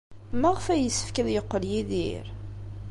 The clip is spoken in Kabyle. Maɣef ay yessefk ad yeqqel Yidir?